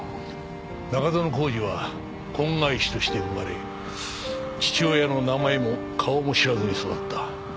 中園宏司は婚外子として生まれ父親の名前も顔も知らずに育った。